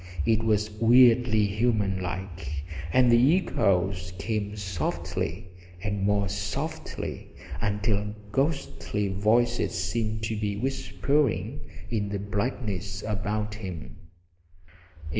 It was weirdly human like; and the echoes came softly, and more softly, until ghostly voices seemed to be whispering in the blackness about him.